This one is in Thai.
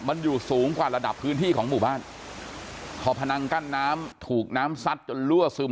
มันอยู่สูงกว่าระดับพื้นที่ของหมู่บ้านพอพนังกั้นน้ำถูกน้ำซัดจนรั่วซึม